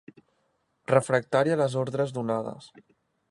Refractari a les ordres donades.